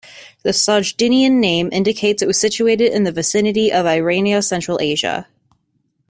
The Sogdian name indicates it was situated in the vicinity of Iranian Central Asia.